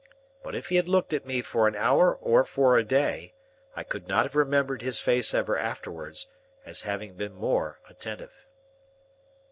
But if he had looked at me for an hour or for a day, I could not have remembered his face ever afterwards, as having been more attentive.